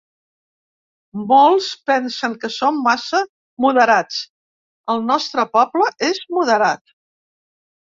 Molts pensen que som massa moderats; el nostre poble és moderat.